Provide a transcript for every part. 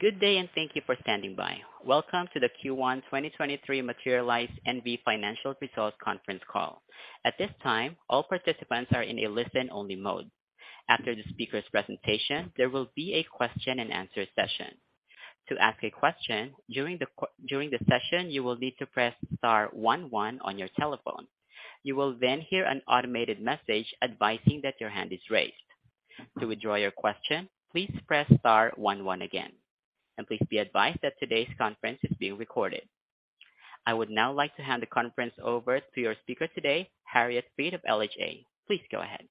Good day, and thank you for standing by. Welcome to the Q1 2023 Materialise NV financial results conference call. At this time, all participants are in a listen-only mode. After the speaker's presentation, there will be a question-and-answer session. To ask a question during the session, you will need to press star one one on your telephone. You will then hear an automated message advising that your hand is raised. To withdraw your question, please press star one one again, and please be advised that today's conference is being recorded. I would now like to hand the conference over to your speaker today, Harriet Fried of LHA. Please go ahead.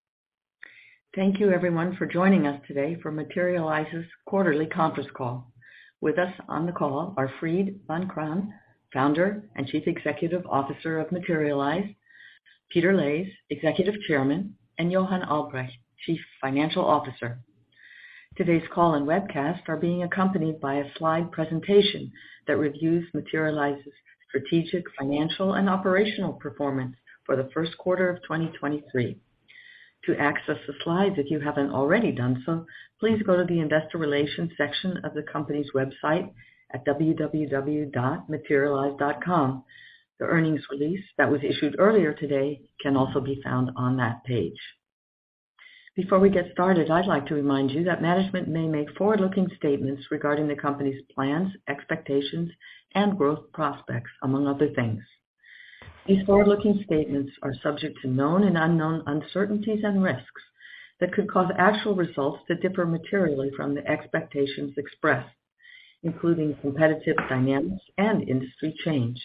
Thank you everyone for joining us today for Materialise's quarterly conference call. With us on the call are Fried Vancraen, Founder and Chief Executive Officer of Materialise, Peter Leys, Executive Chairman, and Johan Albrecht, Chief Financial Officer. Today's call and webcast are being accompanied by a slide presentation that reviews Materialise's strategic, financial, and operational performance for the first quarter of 2023. To access the slides, if you haven't already done so, please go to the Investor Relations section of the company's website at www.materialise.com. The earnings release that was issued earlier today can also be found on that page. Before we get started, I'd like to remind you that management may make forward-looking statements regarding the company's plans, expectations, and growth prospects, among other things. These forward-looking statements are subject to known and unknown uncertainties and risks that could cause actual results to differ materially from the expectations expressed, including competitive dynamics and industry change.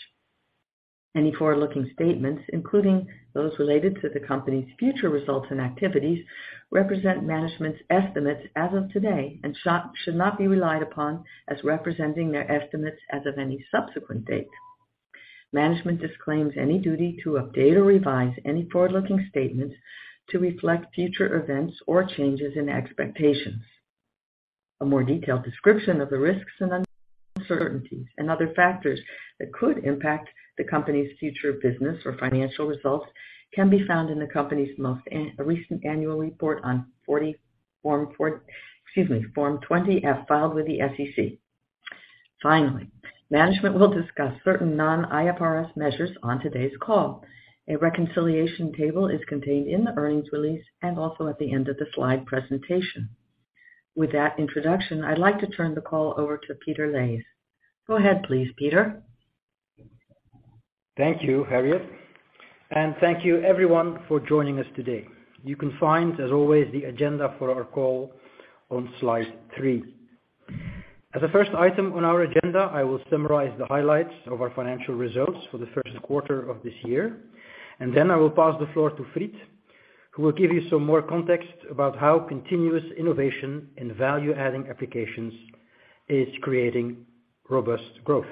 Any forward-looking statements, including those related to the company's future results and activities, represent management's estimates as of today and should not be relied upon as representing their estimates as of any subsequent date. Management disclaims any duty to update or revise any forward-looking statements to reflect future events or changes in expectations. A more detailed description of the risks and uncertainties and other factors that could impact the company's future business or financial results can be found in the company's most recent annual report on Form 20-F filed with the SEC. Finally, management will discuss certain non-IFRS measures on today's call. A reconciliation table is contained in the earnings release and also at the end of the slide presentation. With that introduction, I'd like to turn the call over to Peter Leys. Go ahead please, Peter. Thank you, Harriet. Thank you everyone for joining us today. You can find, as always, the agenda for our call on slide three. As a first item on our agenda, I will summarize the highlights of our financial results for the first quarter of this year, and then I will pass the floor to Fried, who will give you some more context about how continuous innovation and value-adding applications is creating robust growth.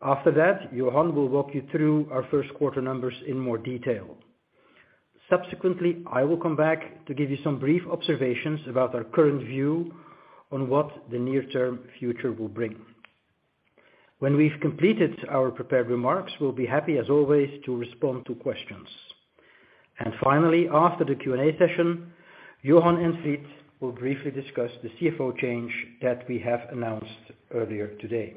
After that, Johan will walk you through our first quarter numbers in more detail. Subsequently, I will come back to give you some brief observations about our current view on what the near-term future will bring. When we've completed our prepared remarks, we'll be happy as always to respond to questions. Finally, after the Q&A session, Johan and Fried will briefly discuss the CFO change that we have announced earlier today.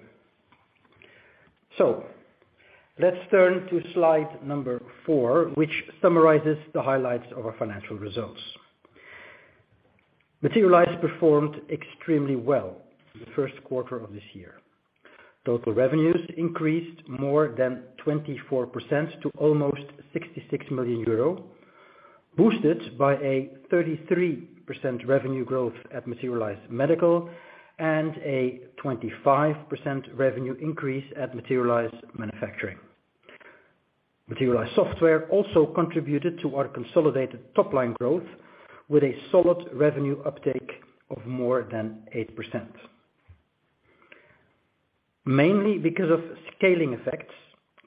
Let's turn to slide number four, which summarizes the highlights of our financial results. Materialise performed extremely well in the first quarter of this year. Total revenues increased more than 24% to almost 66 million euro, boosted by a 33% revenue growth at Materialise Medical and a 25% revenue increase at Materialise Manufacturing. Materialise Software also contributed to our consolidated top-line growth with a solid revenue uptick of more than 8%. Mainly because of scaling effects,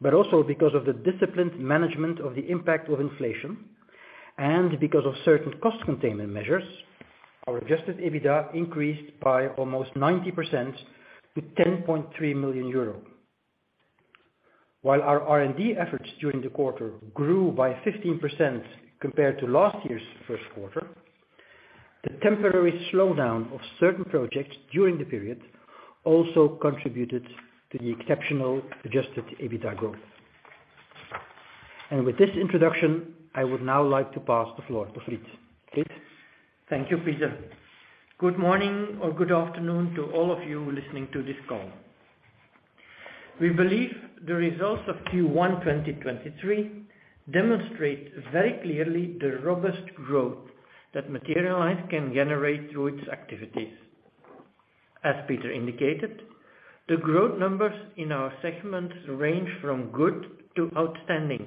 but also because of the disciplined management of the impact of inflation and because of certain cost containment measures, our adjusted EBITDA increased by almost 90% to 10.3 million euro. While our R&D efforts during the quarter grew by 15% compared to last year's first quarter, the temporary slowdown of certain projects during the period also contributed to the exceptional adjusted EBITDA growth. With this introduction, I would now like to pass the floor to Fried. Fried? Thank you, Peter. Good morning or good afternoon to all of you listening to this call. We believe the results of Q1 2023 demonstrate very clearly the robust growth that Materialise can generate through its activities. As Peter indicated, the growth numbers in our segments range from good to outstanding.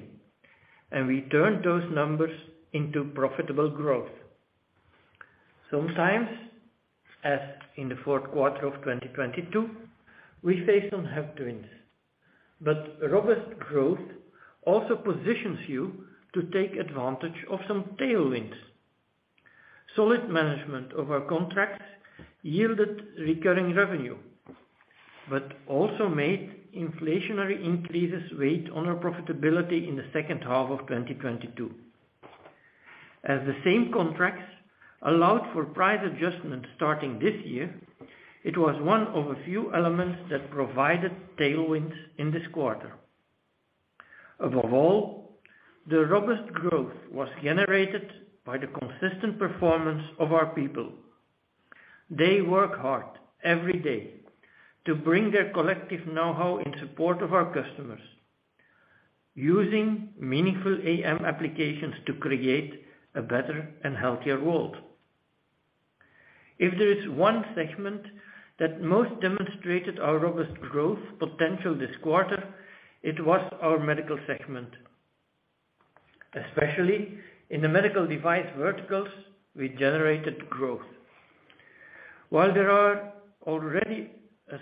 We turned those numbers into profitable growth. Sometimes, as in the fourth quarter of 2022, we face some headwinds. Robust growth also positions you to take advantage of some tailwinds. Solid management of our contracts yielded recurring revenue but also made inflationary increases weighed on our profitability in the second half of 2022. As the same contracts allowed for price adjustments starting this year, it was one of a few elements that provided tailwinds in this quarter. Above all, the robust growth was generated by the consistent performance of our people. They work hard every day to bring their collective know-how in support of our customers, using meaningful AM applications to create a better and healthier world. If there is one segment that most demonstrated our robust growth potential this quarter, it was our medical segment. Especially in the medical device verticals, we generated growth. While there are already a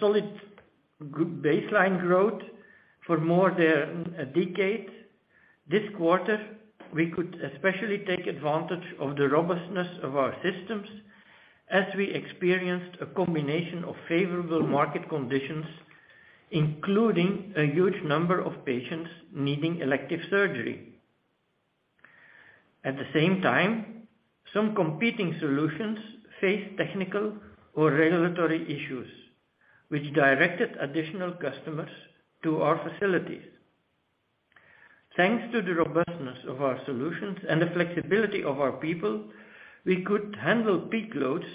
solid baseline growth for more than a decade, this quarter, we could especially take advantage of the robustness of our systems as we experienced a combination of favorable market conditions, including a huge number of patients needing elective surgery. At the same time, some competing solutions face technical or regulatory issues which directed additional customers to our facilities. Thanks to the robustness of our solutions and the flexibility of our people, we could handle peak loads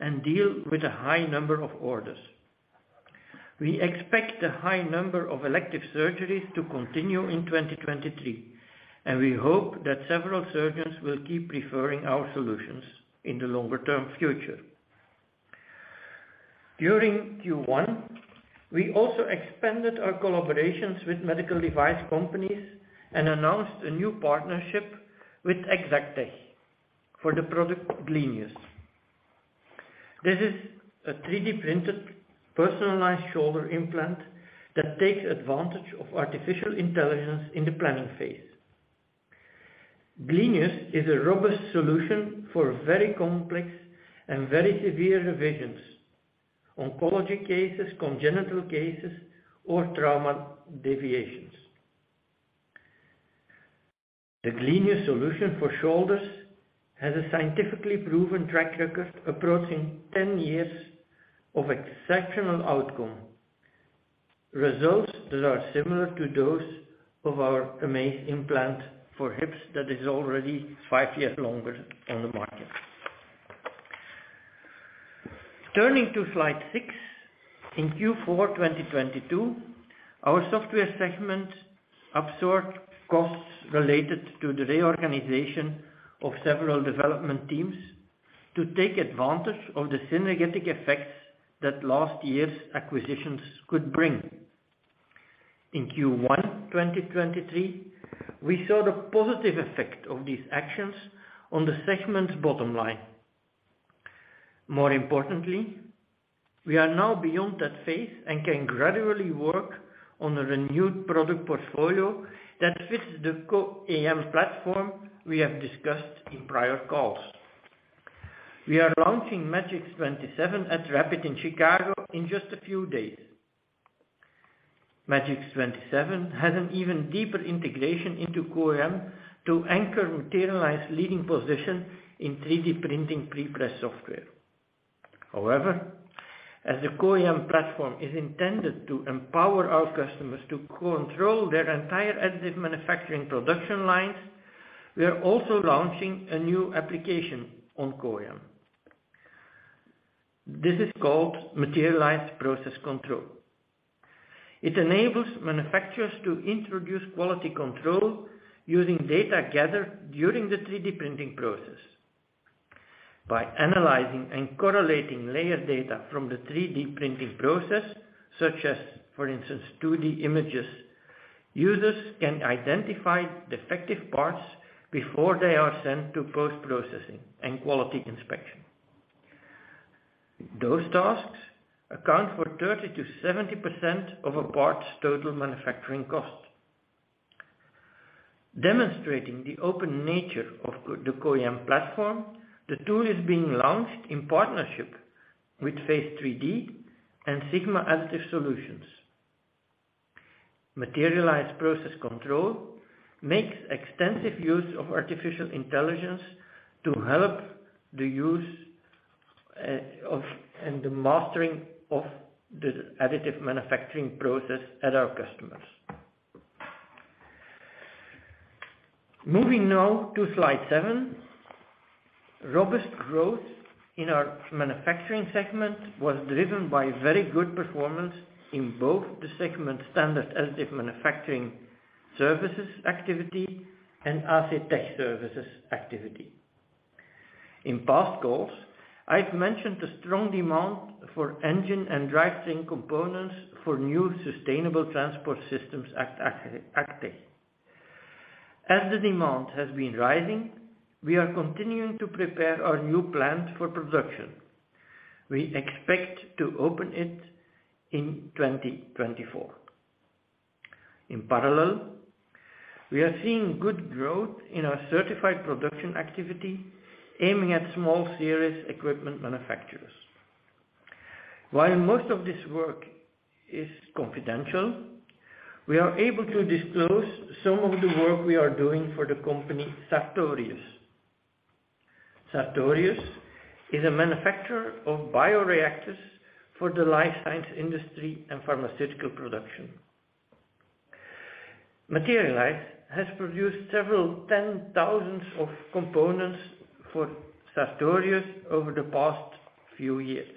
and deal with a high number of orders. We expect the high number of elective surgeries to continue in 2023, and we hope that several surgeons will keep referring our solutions in the longer-term future. During Q1, we also expanded our collaborations with medical device companies and announced a new partnership with Exactech for the product, Glenius. This is a 3D printed, personalized shoulder implant that takes advantage of artificial intelligence in the planning phase. Glenius is a robust solution for very complex and very severe revisions, oncology cases, congenital cases, or trauma deviations. The Glenius solution for shoulders has a scientifically proven track record, approaching 10 years of exceptional outcome. Results that are similar to those of our Moze implant for hips that is already five years longer on the market. Turning to slide six. In Q4, 2022, our software segment absorbed costs related to the reorganization of several development teams to take advantage of the synergetic effects that last year's acquisitions could bring. In Q1, 2023, we saw the positive effect of these actions on the segment's bottom line. More importantly, we are now beyond that phase and can gradually work on a renewed product portfolio that fits the CO-AM platform we have discussed in prior calls. We are launching Magics 27 at RAPID in Chicago in just a few days. Magics 27 has an even deeper integration into CO-AM to anchor Materialise's leading position in 3D printing pre-press software. As the CO-AM platform is intended to empower our customers to control their entire additive manufacturing production lines, we are also launching a new application on CO-AM. This is called Materialise Process Control. It enables manufacturers to introduce quality control using data gathered during the 3D printing process. By analyzing and correlating layer data from the 3D printing process, such as, for instance, 2D images, users can identify defective parts before they are sent to post-processing and quality inspection. Those tasks account for 30%-70% of a part's total manufacturing cost. Demonstrating the open nature of the CO-AM platform, the tool is being launched in partnership with Phase 3D and Sigma Additive Solutions. Materialise Process Control makes extensive use of artificial intelligence to help the use of and the mastering of the additive manufacturing process at our customers. Moving now to slide seven. Robust growth in our manufacturing segment was driven by very good performance in both the segment standard additive manufacturing services activity and ACTech services activity. In past calls, I've mentioned the strong demand for engine and drivetrain components for new sustainable transport systems at ACTech. As the demand has been rising, we are continuing to prepare our new plant for production. We expect to open it in 2024. In parallel, we are seeing good growth in our certified production activity aiming at small series equipment manufacturers. While most of this work is confidential, we are able to disclose some of the work we are doing for the company Sartorius. Sartorius is a manufacturer of bioreactors for the life science industry and pharmaceutical production. Materialise has produced several 10,000s of components for Sartorius over the past few years.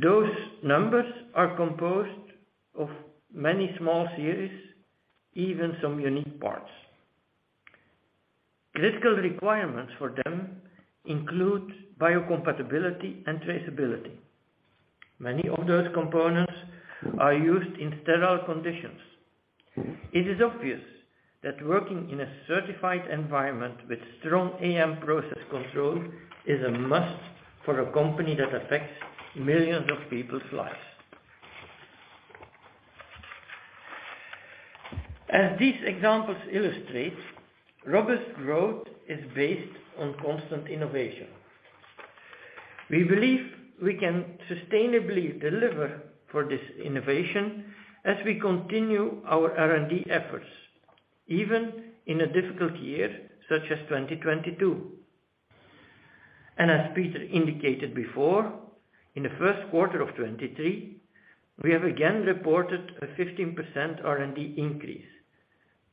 Those numbers are composed of many small series, even some unique parts. Critical requirements for them include biocompatibility and traceability. Many of those components are used in sterile conditions. It is obvious that working in a certified environment with strong AM process control is a must for a company that affects millions of people's lives. As these examples illustrate, robust growth is based on constant innovation. We believe we can sustainably deliver for this innovation as we continue our R&D efforts, even in a difficult year such as 2022. As Peter indicated before, in the first quarter of 2023, we have again reported a 15% R&D increase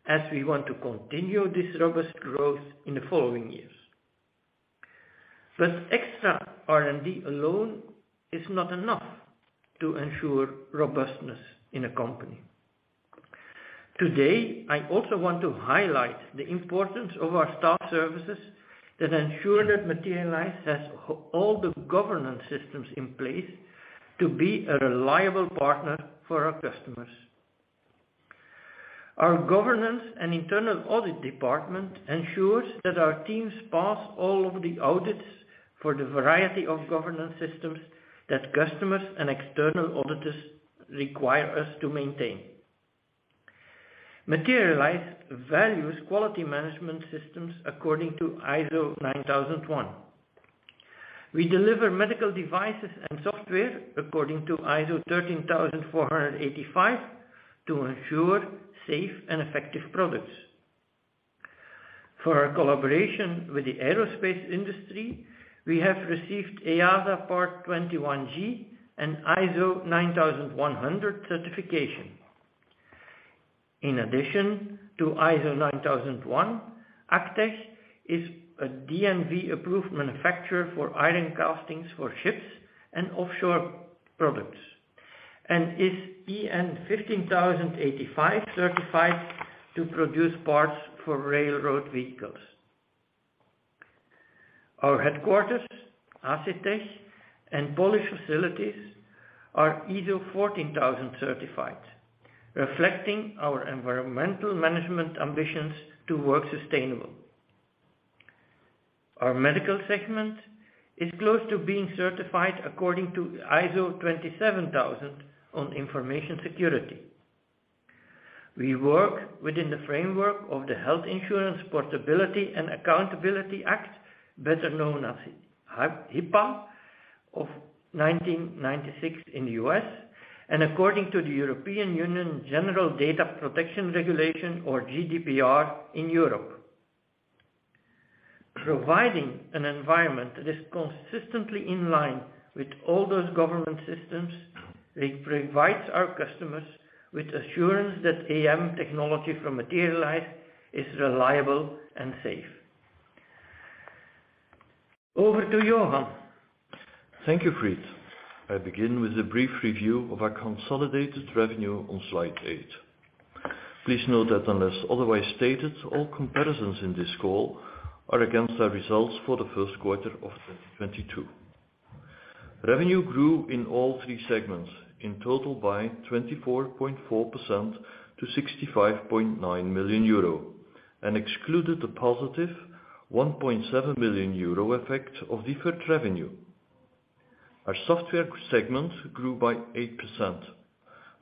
as we want to continue this robust growth in the following years. Extra R&D alone is not enough to ensure robustness in a company. Today, I also want to highlight the importance of our staff services that ensure that Materialise has all the governance systems in place to be a reliable partner for our customers. Our governance and internal audit department ensures that our teams pass all of the audits for the variety of governance systems that customers and external auditors require us to maintain. Materialise values quality management systems according to ISO 9001. We deliver medical devices and software according to ISO 13485 to ensure safe and effective products. For our collaboration with the aerospace industry, we have received EASA Part 21G and ISO 9100 certification. In addition to ISO 9001, ACTech is a DNV approved manufacturer for iron castings for ships and offshore products, and is EN 15085 certified to produce parts for railroad vehicles. Our headquarters, ACTech and Polish facilities are ISO 14001 certified, reflecting our environmental management ambitions to work sustainable. Our medical segment is close to being certified according to ISO 27000 on information security. We work within the framework of the Health Insurance Portability and Accountability Act, better known as HIPAA of 1996 in the U.S. and according to the European Union General Data Protection Regulation, or GDPR in Europe. Providing an environment that is consistently in line with all those government systems provides our customers with assurance that AM technology from Materialise is reliable and safe. Over to Johan. Thank you, Fried. I begin with a brief review of our consolidated revenue on slide eight. Please note that unless otherwise stated, all comparisons in this call are against our results for the first quarter of 2022. Revenue grew in all three segments, in total by 24.4% to 65.9 million euro and excluded the positive 1.7 million euro effect of deferred revenue. Our software segment grew by 8%.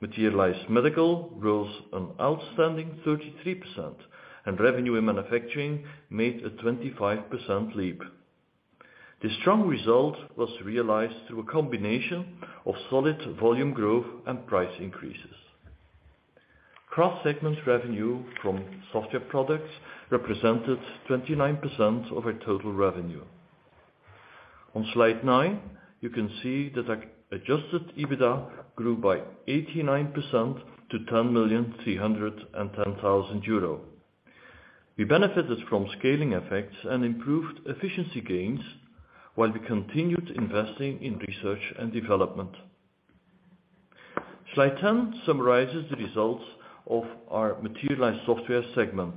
Materialise Medical grows an outstanding 33%, and revenue in manufacturing made a 25% leap. This strong result was realized through a combination of solid volume growth and price increases. Cross-segment revenue from software products represented 29% of our total revenue. On slide nine, you can see that our adjusted EBITDA grew by 89% to 10,310,000 euro. We benefited from scaling effects and improved efficiency gains while we continued investing in research and development. Slide 10 summarizes the results of our Materialise Software segment.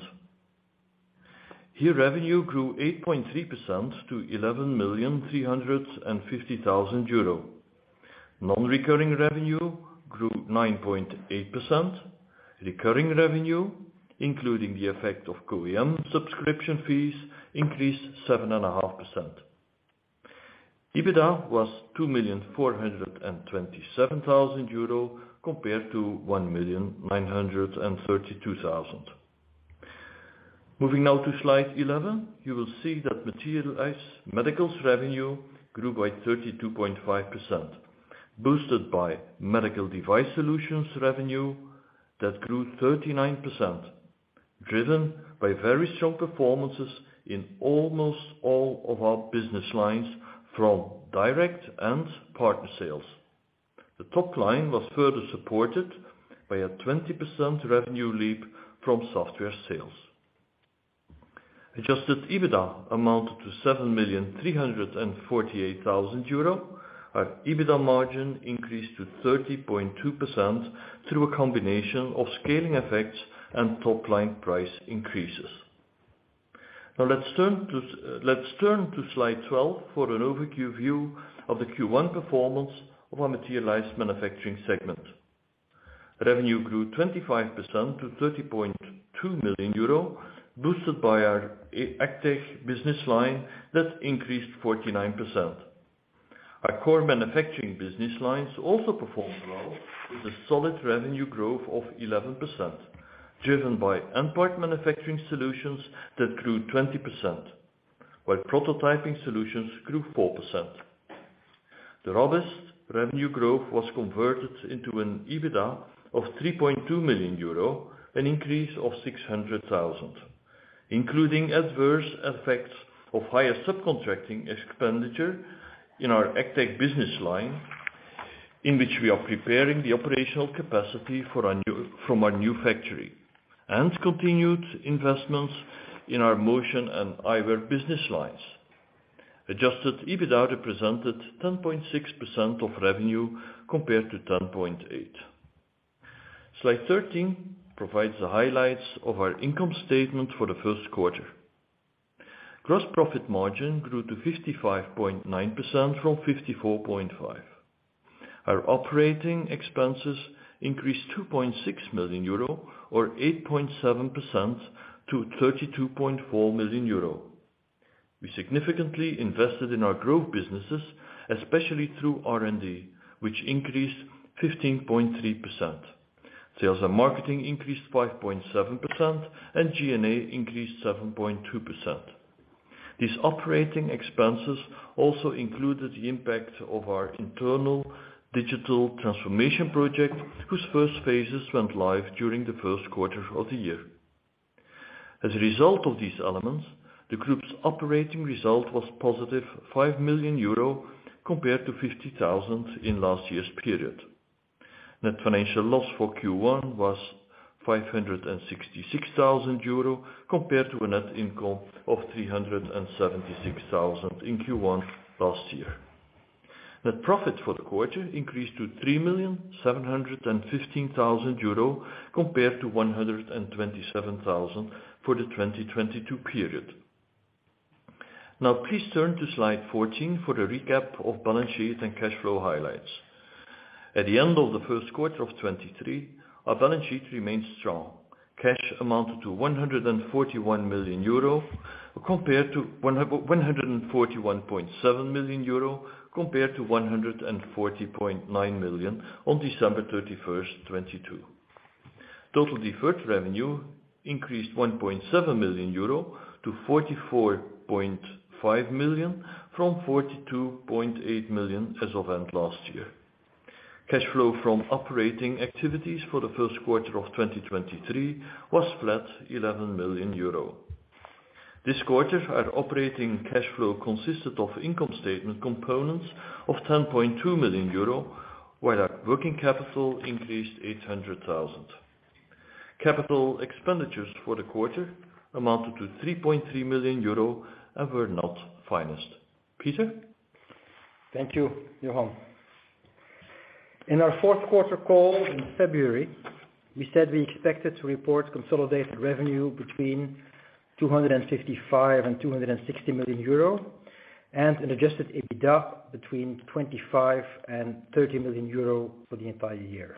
Revenue grew 8.3% to 11,350,000 euro. Non-recurring revenue grew 9.8%. Recurring revenue, including the effect of CO-AM subscription fees, increased 7.5%. EBITDA was 2,427,000 euro compared to 1,932,000. Moving now to slide 11. You will see that Materialise Medical's revenue grew by 32.5%, boosted by medical device solutions revenue that grew 39%, driven by very strong performances in almost all of our business lines from direct and partner sales. The top line was further supported by a 20% revenue leap from software sales. Adjusted EBITDA amounted to 7,348,000 euro. Our EBITDA margin increased to 30.2% through a combination of scaling effects and top-line price increases. Let's turn to slide 12 for an overview of the Q1 performance of our Materialise Manufacturing segment. Revenue grew 25% to 30.2 million euro, boosted by our ACTech business line that increased 49%. Our core manufacturing business lines also performed well with a solid revenue growth of 11%, driven by end part manufacturing solutions that grew 20%, while prototyping solutions grew 4%. The robust revenue growth was converted into an EBITDA of 3.2 million euro, an increase of 600,000, including adverse effects of higher subcontracting expenditure in our ACTech business line, in which we are preparing the operational capacity from our new factory, and continued investments in our Motion and eyewear business lines. Adjusted EBITDA represented 10.6% of revenue compared to 10.8%. Slide 13 provides the highlights of our income statement for the first quarter. Gross profit margin grew to 55.9% from 54.5%. Our operating expenses increased 2.6 million euro or 8.7% to 32.4 million euro. We significantly invested in our growth businesses, especially through R&D, which increased 15.3%. Sales and marketing increased 5.7%, and G&A increased 7.2%. These operating expenses also included the impact of our internal digital transformation project, whose first phases went live during the first quarter of the year. The group's operating result was positive 5 million euro compared to 50,000 in last year's period. Net financial loss for Q1 was 566,000 euro compared to a net income of 376,000 in Q1 last year. Net profit for the quarter increased to 3,715,000 euro compared to 127,000 for the 2022 period. Please turn to slide 14 for the recap of balance sheet and cash flow highlights. At the end of the first quarter of 2023, our balance sheet remained strong. Cash amounted to 141 million euro compared to 141.7 million euro compared to 140.9 million on December 31st, 2022. Total deferred revenue increased 1.7 million-44.5 million euro from 42.8 million as of end last year. Cash flow from operating activities for the first quarter of 2023 was flat 11 million euro. This quarter, our operating cash flow consisted of income statement components of 10.2 million euro, while our working capital increased 800,000. Capital expenditures for the quarter amounted to 3.3 million euro and were not financed. Peter? Thank you, Johan. In our fourth quarter call in February, we said we expected to report consolidated revenue between 255 million and 260 million euro and an adjusted EBITDA between 25 million and 30 million euro for the entire year.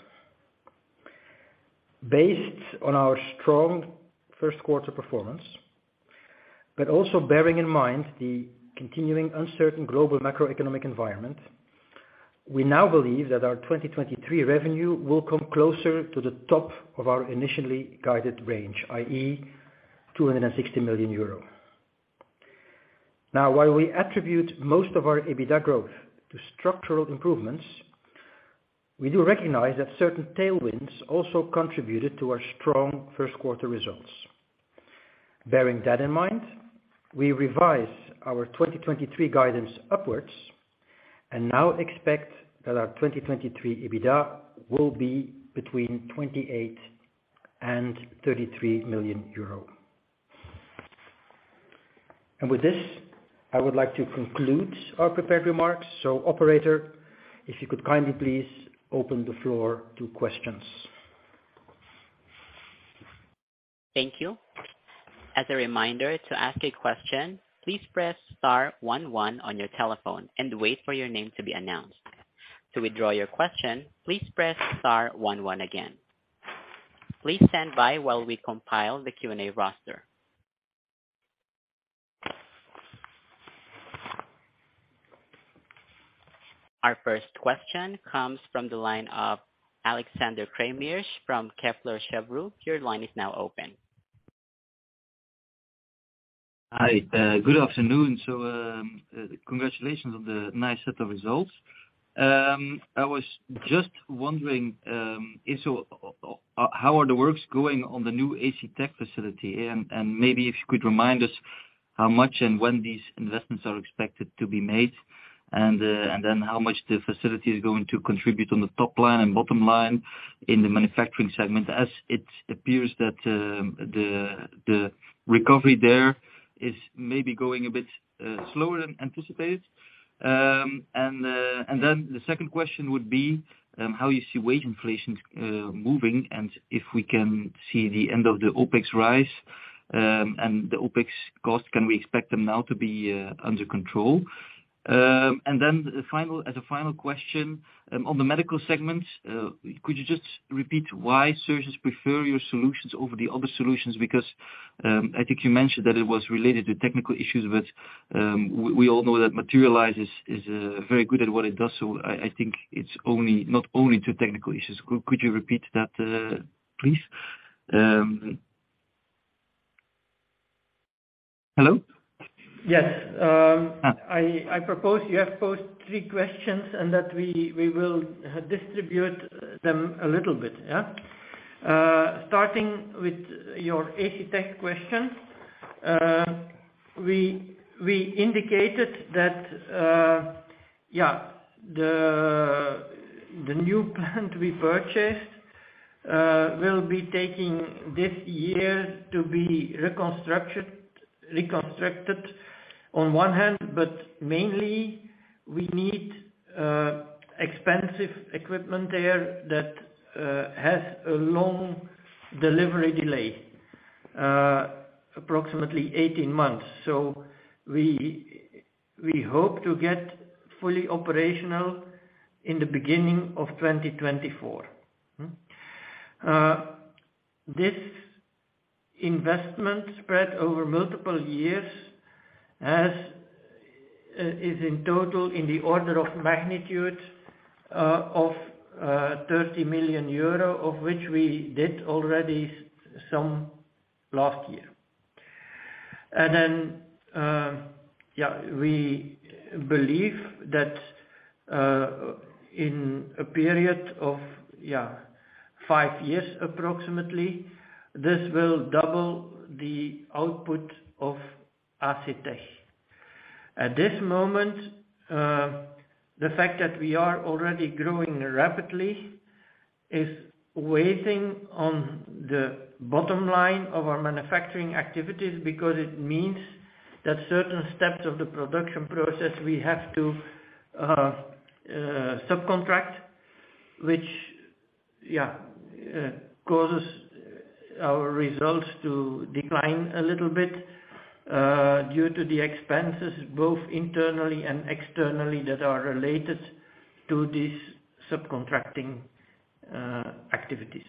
Based on our strong first quarter performance, also bearing in mind the continuing uncertain global macroeconomic environment, we now believe that our 2023 revenue will come closer to the top of our initially guided range, i.e., 260 million euro. While we attribute most of our EBITDA growth to structural improvements, we do recognize that certain tailwinds also contributed to our strong first quarter results. Bearing that in mind, we revise our 2023 guidance upwards and now expect that our 2023 EBITDA will be between 28 million and 33 million euro. With this, I would like to conclude our prepared remarks. Operator, if you could kindly please open the floor to questions. Thank you. As a reminder, to ask a question, please press star one one on your telephone and wait for your name to be announced. To withdraw your question, please press star one one again. Please stand by while we compile the Q&A roster. Our first question comes from the line of Alexander Craeymeersch from Kepler Cheuvreux. Your line is now open. Hi, good afternoon. Congratulations on the nice set of results. I was just wondering, if so, how are the works going on the new ACTech facility? Maybe if you could remind us how much and when these investments are expected to be made, then how much the facility is going to contribute on the top line and bottom line in the manufacturing segment as it appears that, the recovery there is maybe going a bit slower than anticipated. The second question would be, how you see wage inflation moving and if we can see the end of the OpEx rise, and the OpEx costs, can we expect them now to be under control? Final, as a final question, on the medical segment, could you just repeat why surgeons prefer your solutions over the other solutions? I think you mentioned that it was related to technical issues, we all know that Materialise is very good at what it does, I think it's only, not only to technical issues. Could you repeat that, please? Hello? Yes. I propose you have posed three questions that we will distribute them a little bit. Starting with your ACTech question. We indicated that the new plant we purchased will be taking this year to be reconstructed on one hand, mainly we need expensive equipment there that has a long delivery delay, approximately 18 months. We hope to get fully operational in the beginning of 2024. This investment spread over multiple years is in total in the order of magnitude of 30 million euro, of which we did already some last year. We believe that in a period of five years approximately, this will double the output of ACTech. At this moment, the fact that we are already growing rapidly is weighing on the bottom line of our manufacturing activities because it means that certain steps of the production process we have to subcontract, which causes our results to decline a little bit due to the expenses both internally and externally that are related to these subcontracting activities.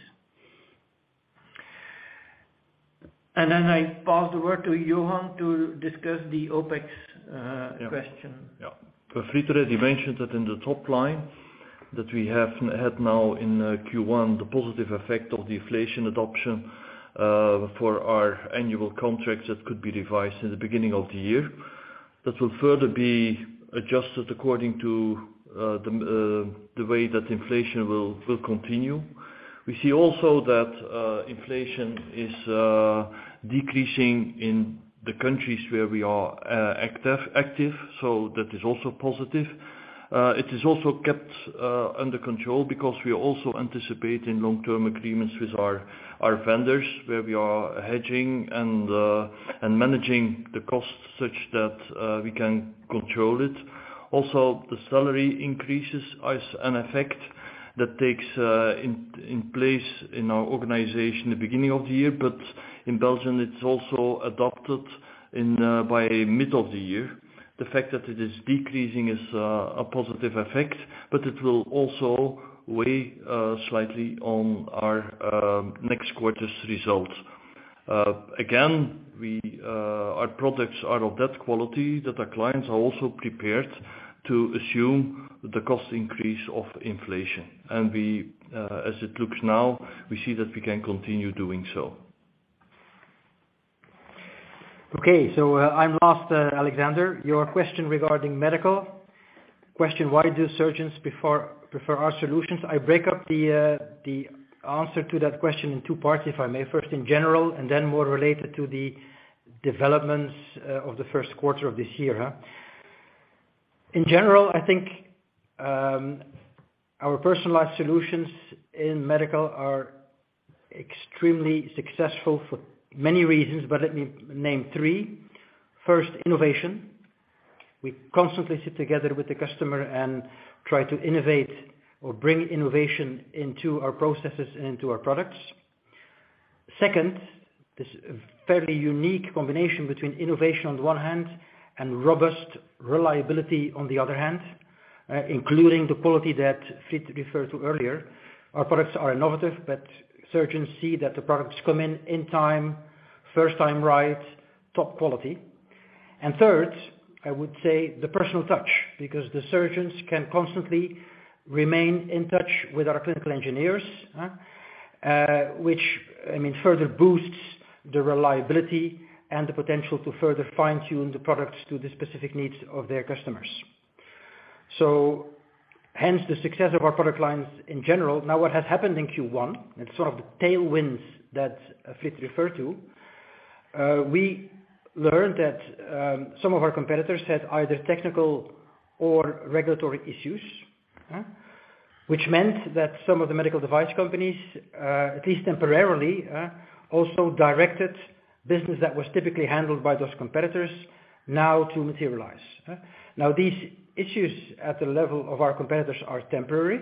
I pass the word to Johan to discuss the OpEx question. Yeah. Fried, you mentioned that in the top line that we have had now in Q1, the positive effect of the inflation adoption for our annual contracts that could be revised in the beginning of the year. That will further be adjusted according to the way that inflation will continue. We see also that inflation is decreasing in the countries where we are active, so that is also positive. It is also kept under control because we also anticipate in long-term agreements with our vendors, where we are hedging and managing the costs such that we can control it. The salary increases is an effect that takes in place in our organization the beginning of the year, but in Belgium it's also adopted by mid of the year. The fact that it is decreasing is a positive effect, but it will also weigh slightly on our next quarter's results. Again, our products are of that quality that our clients are also prepared to assume the cost increase of inflation. We, as it looks now, we see that we can continue doing so. Okay. I'm last, Alexander, your question regarding medical. Question why do surgeons prefer our solutions? I break up the answer to that question in two parts, if I may. First, in general, and then more related to the developments of the first quarter of this year. In general, I think, our personalized solutions in medical are extremely successful for many reasons, but let me name three. First, innovation. We constantly sit together with the customer and try to innovate or bring innovation into our processes and into our products. Second, this fairly unique combination between innovation on one hand and robust reliability on the other hand, including the quality that Fried referred to earlier. Our products are innovative, but surgeons see that the products come in in timeFirst time right, top quality. Third, I would say the personal touch, because the surgeons can constantly remain in touch with our clinical engineers, which, I mean, further boosts the reliability and the potential to further fine-tune the products to the specific needs of their customers. Hence the success of our product lines in general. Now, what has happened in Q1, it's sort of the tailwinds that Fried referred to. We learned that some of our competitors had either technical or regulatory issues, which meant that some of the medical device companies, at least temporarily, also directed business that was typically handled by those competitors now to Materialise. Now, these issues at the level of our competitors are temporary.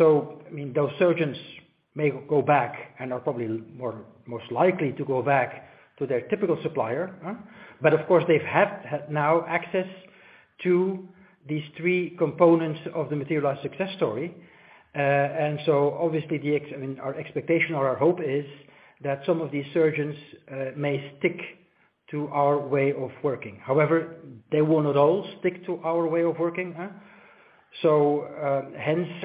I mean, those surgeons may go back and are probably more most likely to go back to their typical supplier, but of course, they've had now access to these three components of the Materialise success story. Obviously, I mean, our expectation or our hope is that some of these surgeons may stick to our way of working. However, they will not all stick to our way of working, hence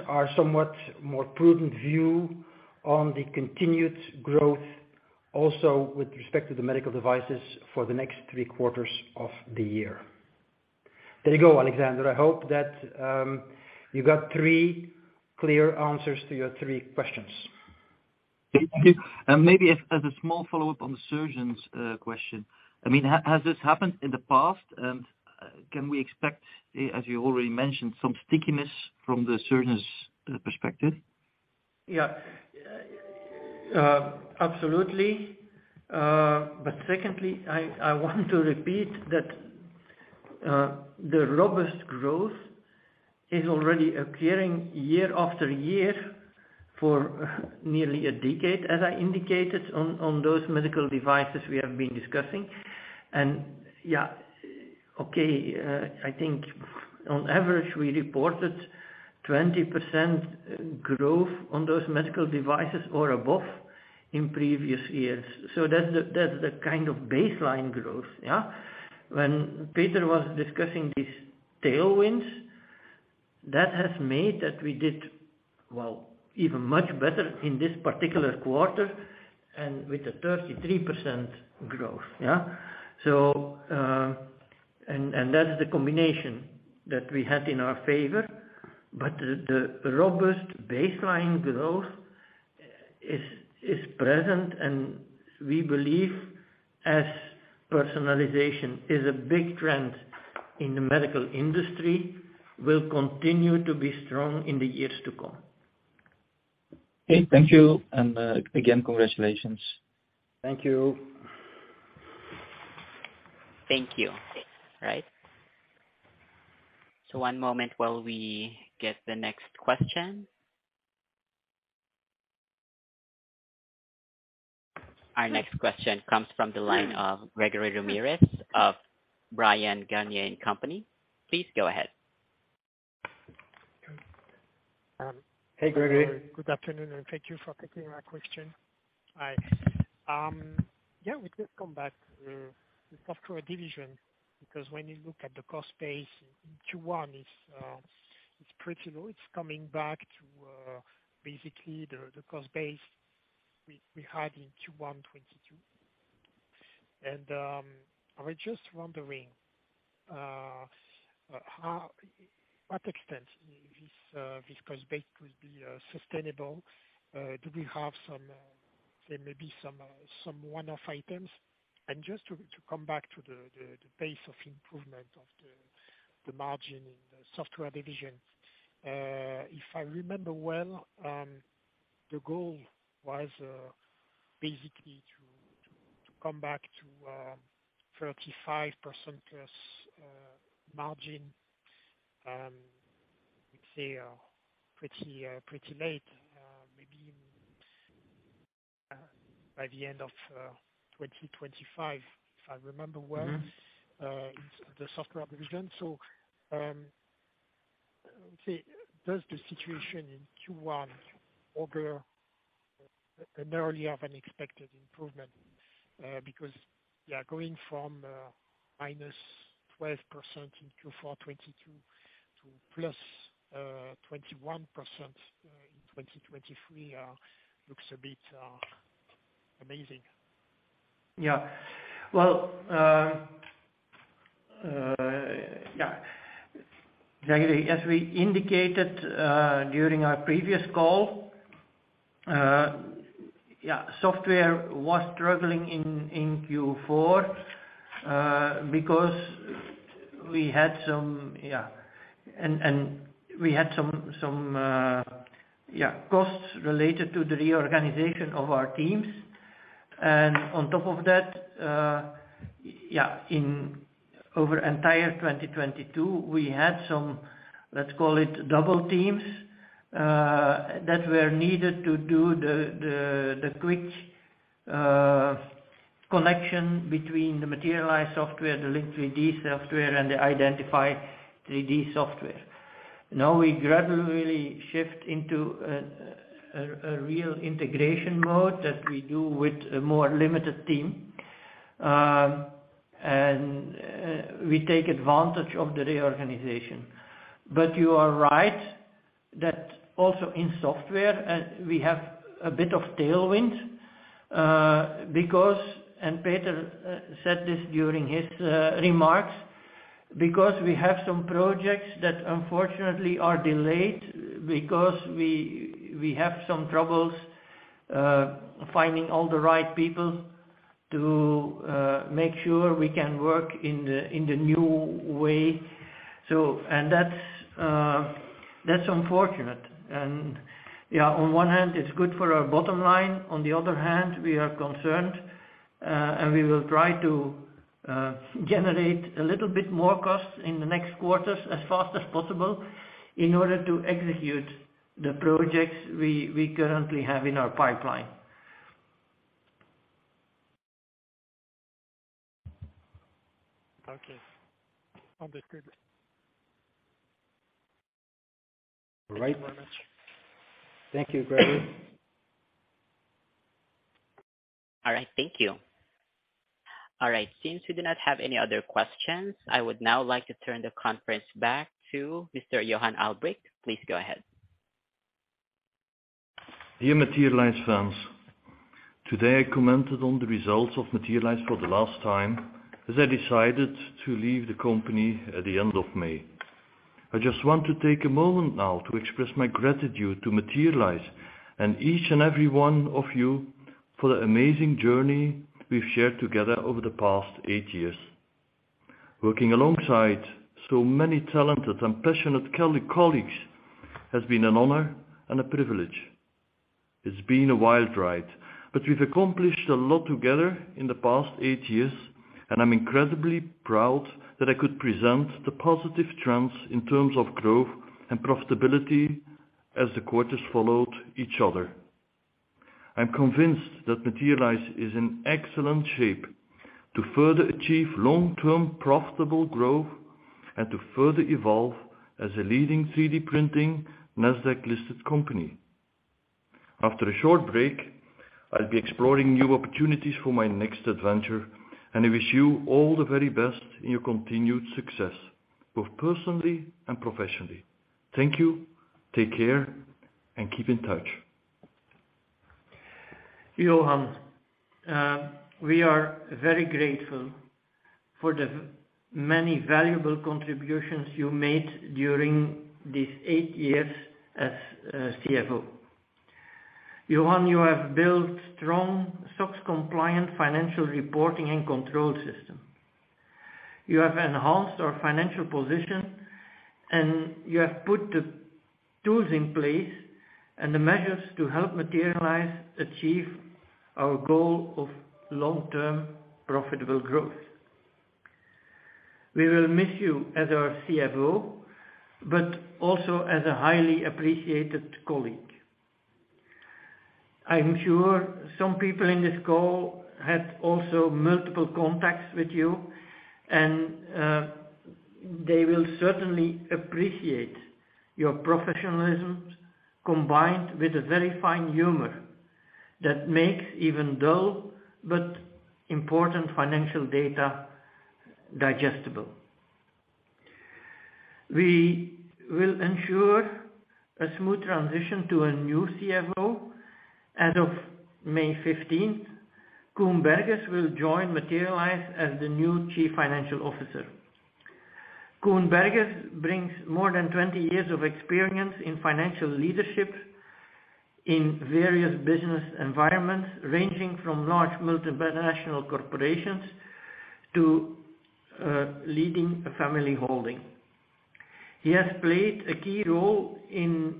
our somewhat more prudent view on the continued growth also with respect to the medical devices for the next three quarters of the year. There you go, Alexander. I hope that you got three clear answers to your three questions. Thank you. Maybe as a small follow-up on the surgeons, question, I mean, has this happened in the past? Can we expect, as you already mentioned, some stickiness from the surgeons, perspective? Absolutely. But secondly, I want to repeat that the robust growth is already occurring year after year for nearly a decade, as I indicated on those medical devices we have been discussing. Okay, I think on average, we reported 20% growth on those medical devices or above in previous years. That's the kind of baseline growth. When Peter was discussing these tailwinds, that has made that we did, well, even much better in this particular quarter and with a 33% growth. That's the combination that we had in our favor. The robust baseline growth is present, and we believe, as personalization is a big trend in the medical industry, will continue to be strong in the years to come. Okay. Thank you. Again, congratulations. Thank you. Thank you. Right. One moment while we get the next question. Our next question comes from the line of Gregory Ramirez of Bryan, Garnier & Co. Please go ahead. Hey, Gregory. Good afternoon, and thank you for taking my question. Hi. Yeah, we could come back to the software division, because when you look at the cost base in Q1, it's pretty low. It's coming back to, basically the cost base we had in Q1 2022. I was just wondering, what extent this cost base will be sustainable. Do we have some, say maybe some one-off items? Just to come back to the base of improvement of the margin in the software division. If I remember well, the goal was, basically to come back to 35%+ margin, let's say, pretty pretty late, maybe by the end of 2025, if I remember well- The software division. Let's say, does the situation in Q1 augur an earlier than expected improvement? Going from -12% in Q4 2022 to +21% in 2023, looks a bit amazing. Yeah. Well, yeah. Gregory, as we indicated, during our previous call, yeah, software was struggling in Q4, because we had some. We had some costs related to the reorganization of our teams. On top of that, yeah, over entire 2022, we had some, let's call it double teams, that were needed to do the quick connection between the Materialise Software, the Link3D software, and the Identify3D software. Now we gradually shift into a real integration mode that we do with a more limited team. And we take advantage of the reorganization. You are right that also in software, we have a bit of tailwind, because, and Peter said this during his remarks, because we have some projects that unfortunately are delayed because we have some troubles, finding all the right people to make sure we can work in the new way. That's unfortunate. Yeah, on one hand, it's good for our bottom line. On the other hand, we are concerned, and we will try to generate a little bit more costs in the next quarters as fast as possible in order to execute the projects we currently have in our pipeline. Okay. Understood. All right. Thank you, Gregory. All right. Thank you. All right. Since we do not have any other questions, I would now like to turn the conference back to Mr. Johan Albrecht. Please go ahead. Dear Materialise fans, today I commented on the results of Materialise for the last time, as I decided to leave the company at the end of May. I just want to take a moment now to express my gratitude to Materialise and each and every one of you for the amazing journey we've shared together over the past eight years. Working alongside so many talented and passionate colleagues has been an honor and a privilege. It's been a wild ride, but we've accomplished a lot together in the past eight years, and I'm incredibly proud that I could present the positive trends in terms of growth and profitability as the quarters followed each other. I'm convinced that Materialise is in excellent shape to further achieve long-term profitable growth and to further evolve as a leading 3D printing Nasdaq-listed company. After a short break, I'll be exploring new opportunities for my next adventure, and I wish you all the very best in your continued success, both personally and professionally. Thank you, take care, and keep in touch. Johan, we are very grateful for the many valuable contributions you made during these eight years as CFO. Johan, you have built strong, SOX compliant financial reporting and control system. You have enhanced our financial position, and you have put the tools in place and the measures to help Materialise achieve our goal of long-term profitable growth. We will miss you as our CFO, but also as a highly appreciated colleague. I'm sure some people in this call had also multiple contacts with you, and they will certainly appreciate your professionalism, combined with a very fine humor that makes even dull but important financial data digestible. We will ensure a smooth transition to a new CFO. As of May 15th, Koen Berges will join Materialise as the new Chief Financial Officer. Koen Berges brings more than 20 years of experience in financial leadership in various business environments, ranging from large multinational corporations to leading a family holding. He has played a key role in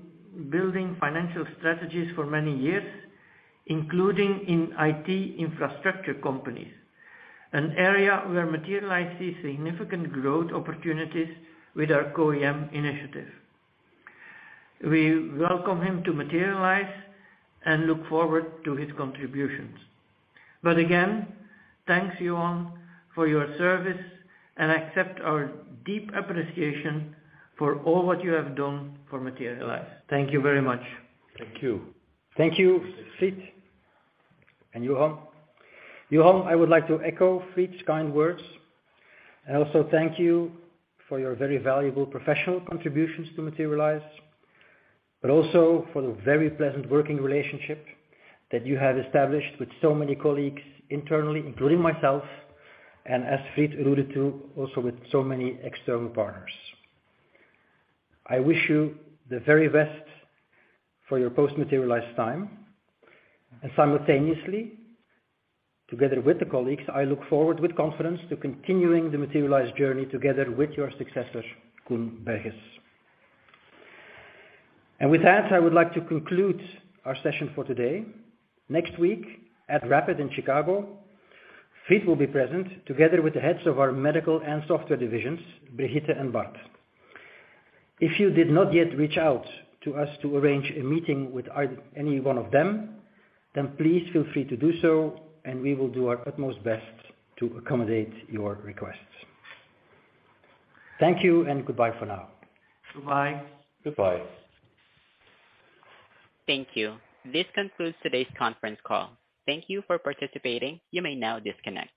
building financial strategies for many years, including in IT infrastructure companies, an area where Materialise sees significant growth opportunities with our CO-AM initiative. We welcome him to Materialise and look forward to his contributions. Again, thanks, Johan, for your service, and accept our deep appreciation for all what you have done for Materialise. Thank you very much. Thank you. Thank you, Fried and Johan. Johan, I would like to echo Fried's kind words and also thank you for your very valuable professional contributions to Materialise, but also for the very pleasant working relationship that you have established with so many colleagues internally, including myself, and as Fried alluded to, also with so many external partners. I wish you the very best for your post-Materialise time. Simultaneously, together with the colleagues, I look forward with confidence to continuing the Materialise journey together with your successor, Koen Berges. With that, I would like to conclude our session for today. Next week, at RAPID in Chicago, Fried will be present together with the heads of our medical and software divisions, Brigitte and Bart. If you did not yet reach out to us to arrange a meeting with either any one of them, then please feel free to do so, and we will do our utmost best to accommodate your requests. Thank you and goodbye for now. Goodbye. Goodbye. Thank you. This concludes today's conference call. Thank you for participating. You may now disconnect.